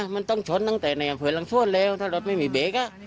มันต้องชนตั้งแต่ในอำเภอหลังสวนแล้วถ้ารถไม่มีเบรก